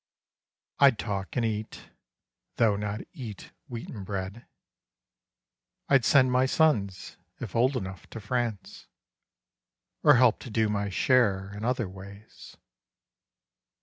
I 'd talk and eat (though not eat wheaten bread), I'd send my sons, if old enough, to France, Or help to do my share in other ways.